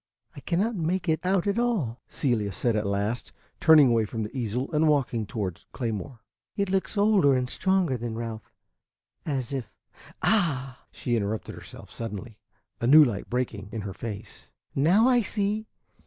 "I cannot make it out at all," Celia said at last, turning away from the easel and walking toward Claymore. "It looks older and stronger than Ralph, as if Ah!" she interrupted herself suddenly, a new light breaking in her face. "Now I see!